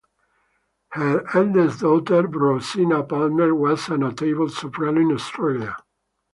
Her eldest daughter Rosina Palmer was a notable soprano in Australia.